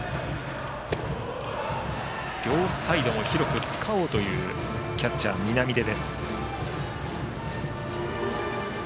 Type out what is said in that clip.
両サイドを広く使おうというキャッチャーの南出。